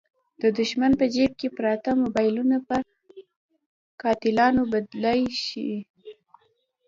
د دوښمن په جیب کې پراته موبایلونه په قاتلانو بدلېدلای شي.